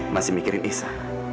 masih mikirin isa